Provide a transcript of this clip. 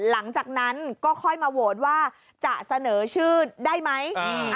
หลังจากนั้นก็ค่อยมาโหวตว่าจะเสนอชื่อได้ไหม